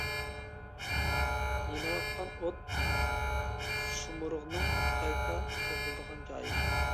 يېنىۋاتقان ئوت، سۇمۇرغنىڭ قايتا تۇغۇلىدىغان جايى.